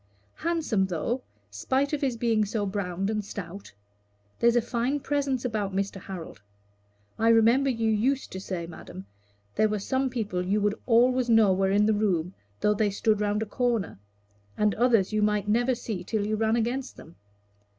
"Handsome, though, spite of his being so browned and stout. There's a fine presence about Mr. Harold. I remember you used to say, madam, there were some people you would always know were in the room though they stood round a corner, and others you might never see till you ran against them.